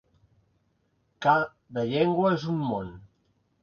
Cada llengua és un món.